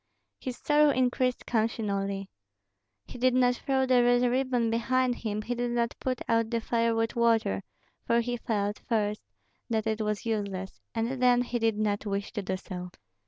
His sorrow increased continually. He did not throw the red ribbon behind him, he did not put out the fire with water; for he felt, first, that it was useless, and then he did not wish to do so.